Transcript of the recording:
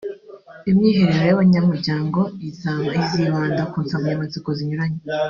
imyiherero y’abanyamuryango izibanda ku nsanganyamatsiko zinyuranye